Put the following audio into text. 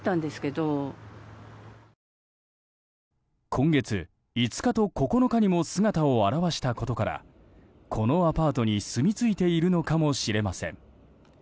今月５日と９日にも姿を現したことからこのアパートにすみついているのかもしれません。